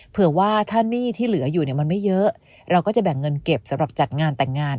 เผื่อว่าถ้าหนี้ที่เหลืออยู่เนี่ยมันไม่เยอะเราก็จะแบ่งเงินเก็บสำหรับจัดงานแต่งงาน